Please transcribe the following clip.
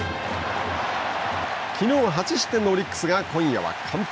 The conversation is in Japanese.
きのう８失点のオリックスが今夜は完封。